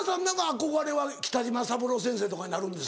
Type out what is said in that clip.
憧れは北島三郎先生とかになるんですか？